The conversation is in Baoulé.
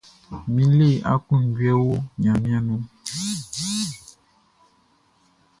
Mi le akloundjouê oh Gnanmien nou.